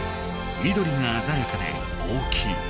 緑があざやかで大きい。